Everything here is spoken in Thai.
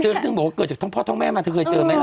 ฉันถึงบอกว่าเกิดจากท้องพ่อท้องแม่มาเธอเคยเจอไหมล่ะ